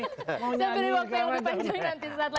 saya beri waktu yang lebih panjang nanti saat lagi kami